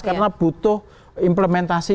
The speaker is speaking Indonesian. karena butuh implementasi